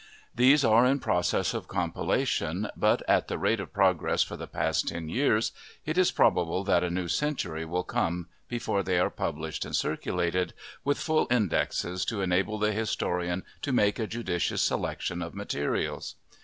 These are in process of compilation; but, at the rate of progress for the past ten years, it is probable that a new century will come before they are published and circulated, with full indexes to enable the historian to make a judicious selection of materials.